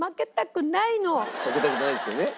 負けたくないですよね。